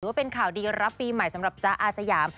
ว่าเป็นข่าวดีรับปีใหม่สำหรับจ๊ะอาสยาม